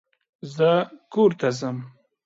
زه کورته ځم.